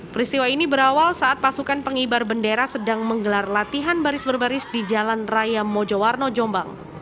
peristiwa ini berawal saat pasukan pengibar bendera sedang menggelar latihan baris baris di jalan raya mojowarno jombang